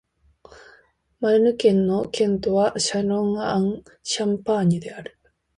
マルヌ県の県都はシャロン＝アン＝シャンパーニュである